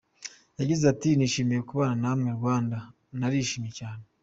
Yagize ati “Nishimiye kubana namwe Rwanda, narishimye cyane.